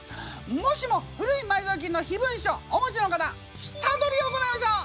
もしも古い埋蔵金の秘文書お持ちの方下取りを行いましょう。